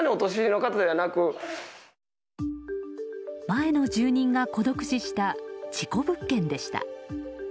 前の住人が孤独死した事故物件でした。